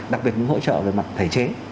đặc biệt những hỗ trợ về mặt thể chế